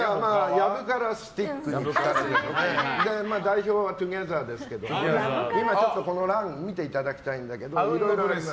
藪からスティックだとか代表はトゥギャザーですけど今、この欄を見ていただきたいんだけど。